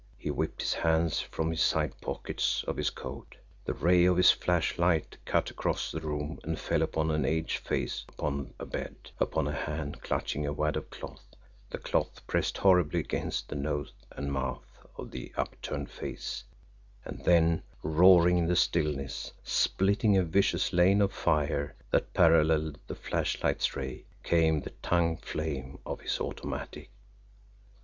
He whipped his hands from the side pockets of his coat the ray of his flashlight cut across the room and fell upon an aged face upon a bed, upon a hand clutching a wad of cloth, the cloth pressed horribly against the nose and mouth of the upturned face and then, roaring in the stillness, spitting a vicious lane of fire that paralleled the flashlight's ray, came the tongue flame of his automatic.